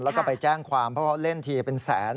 แล้วก็ไปแจ้งความเพราะเขาเล่นทีเป็นแสน